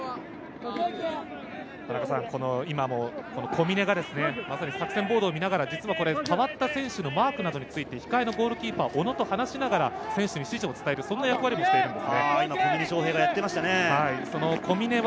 小峰が作戦ボードを見ながら代わった選手のマークなどについて、控えのゴールキーパー・小野と話しながら、選手たちに指示を伝える役割をしています。